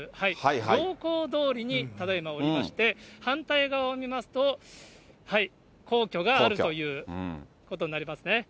行幸通りにただいまおりまして、反対側を見ますと、皇居があるということになりますね。